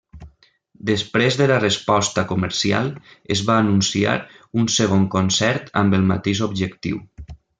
Després de la resposta comercial, es va anunciar un segon concert amb el mateix objectiu.